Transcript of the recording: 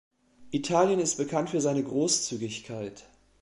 Italien ist bekannt für seine Großzügigkeit.